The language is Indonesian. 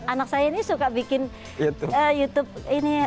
anak saya ini suka bikin youtube ini